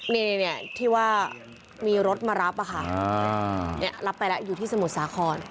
นี่ที่ว่ามีรถมารับอะค่ะรับไปแล้วอยู่ที่สมุทรสาคร